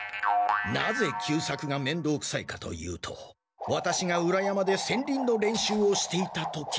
なぜ久作がめんどうくさいかというとワタシが裏山で戦輪の練習をしていた時。